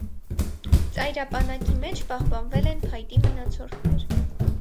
Ծայրապանակի մեջ պահպանվել են փայտի մնացորդներ։